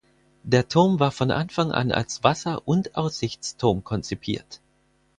Der Turm war von Anfang an als Wasser- und Aussichtsturm konzipiert.